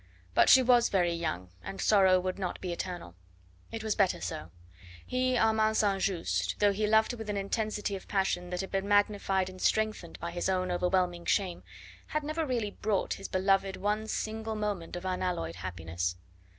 But she was very young, and sorrow would not be eternal. It was better so. He, Armand St. Just, though he loved her with an intensity of passion that had been magnified and strengthened by his own overwhelming shame, had never really brought his beloved one single moment of unalloyed happiness.